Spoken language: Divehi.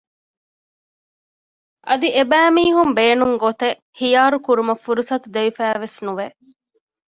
އަދި އެބައިމީހުން ބޭނުންގޮތެއް ޚިޔާރުކުރުމަށް ފުރުސަތު ދެވިފައިވެސް ނުވެ